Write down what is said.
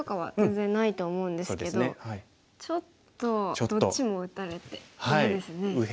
ちょっとどっちも打たれて嫌ですね。